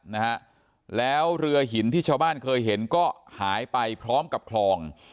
นะฮะแล้วเรือหินที่ชาวบ้านเคยเห็นก็หายไปพร้อมกับคลอง